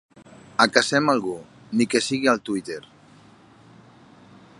Acacem algú, ni que sigui al Twitter.